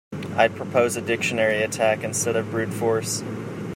I'd propose a dictionary attack instead of brute force.